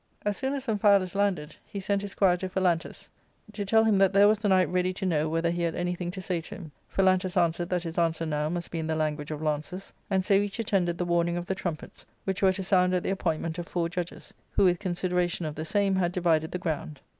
As soon as Amphialus landed, he sent his squire to Phalantus to tell him that there was the knight ready to know whether he had any thing to say to him ; Phalantus answered that his answer now must be in the language of lances ; and so each attended the warning of the trumpets, which were to sound at the appoint ment of four judges, who with consideration of the same had divided the ground.